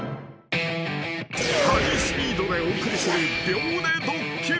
［ハイスピードでお送りする］